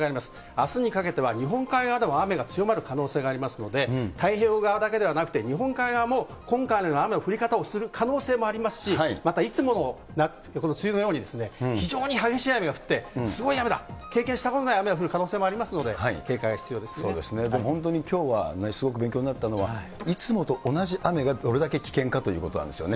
あすにかけては日本海側でも雨が強まる可能性がありますので、太平洋側だけではなくて、日本海側も今回のような雨の降り方をする可能性もありますし、またいつもの梅雨のように、非常に激しい雨が降って、すごい雨だ、経験したことない雨が降る可能性もありますので、そうですね、本当にきょうはすごく勉強になったのは、いつもと同じ雨がどれだけ危険かということなんですね。